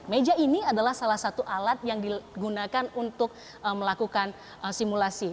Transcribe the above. meja ini adalah salah satu alat yang digunakan untuk melakukan simulasi